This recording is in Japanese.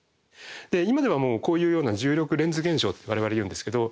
今ではこういうような重力レンズ現象って我々言うんですけど。